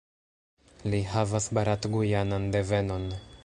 Li havas barat-gujanan devenon.